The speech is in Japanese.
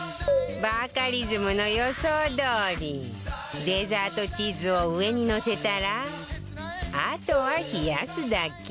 バカリズムの予想どおりデザートチーズを上にのせたらあとは冷やすだけ